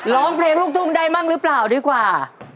ร้องเพลงลูกทุ่งได้มั่งหรือเปล่าดีกว่า